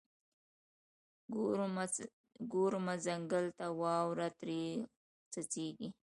ګورمه ځنګله ته، واوره ترې څڅیږي